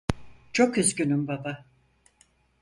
Çok üzgünüm baba.